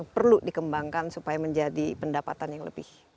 perlu dikembangkan supaya menjadi pendapatan yang lebih